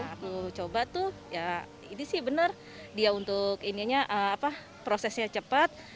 aku coba tuh ya ini sih benar dia untuk prosesnya cepat